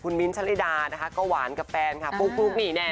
คุณวิ้นชะลิดานะคะก็หวานกับแฟนค่ะปุ๊บหนีแน่นอน